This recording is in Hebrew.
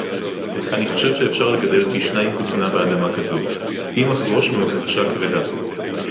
אֲנִי חוֹשֵׁב שֶׁאֶפְשָׁר לְגַדֵּל פִּי שְׁנַיִים כֻּותְנָה בַּאֲדָמָה כָּזוֹ, אִם אֶחֱרוֹשׁ בַּמַּחְרֵשָׁה כְּבֵדָה.